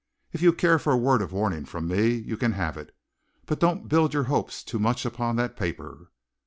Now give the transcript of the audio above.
If you care for a word of warning from me, you can have it: don't build your hopes too much upon that paper!"